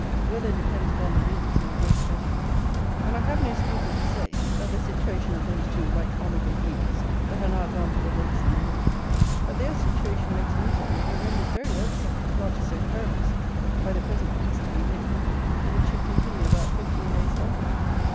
Weather depends upon the winds, in a great measure; and I have no scruple to say, that the situation of those two Right Honourable youths, that are now gone to the Lakes in the north; that their situation, next winter, will be rendered very irksome, not to say perilous, by the present easterly wind, if it should continue about fifteen days longer.